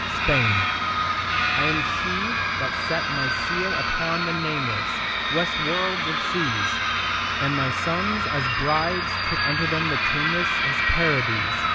SPAIN I am she that set my seal upon the nameless West worlds of seas; And my sons as brides took unto them the tameless Hesperides.